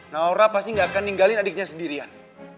naura pasti gak akan ninggalin adiknya sendirian